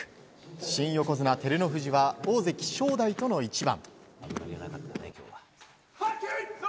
新横綱・照ノ富士は大関・正代との一番。